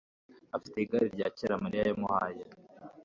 afite igare rya kera mariya yamuhaye